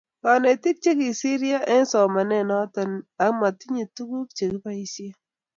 kanetik che kisiryo eng somanet noto ak matitei tukuk che keboisie